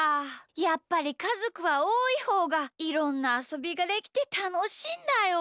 やっぱりかぞくはおおいほうがいろんなあそびができてたのしいんだよ！